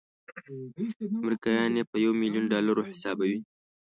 امریکایان یې په یو میلیون ډالرو حسابوي.